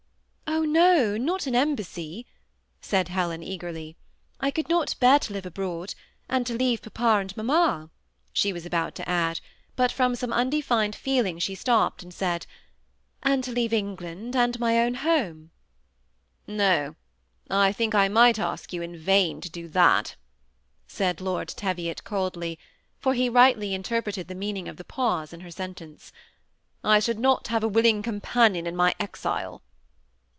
" Oh no ! not an embassy," said Helen, eagerly ;" I could not bear to live abroad, — and to leave papa and mamma," she was' about to add, but from some unde fined feeling she stopped and said, — ^^and to leave England and my own home." THB SEMI ATTACHBD COUPLE. 159 ^ No, I Aink I might ask you in vain to do that, Baid Lord Teviot, coldly, for he rightly interpreted the meaning of the pause in her sentence. <^ I should not have a willing companion in my exile."